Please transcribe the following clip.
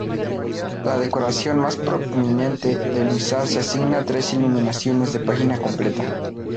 La decoración más prominente del misal se asigna a tres iluminaciones de página completa.